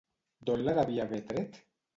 D'on la devia haver tret?